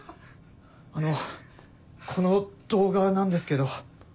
あのこの動画なんですけど。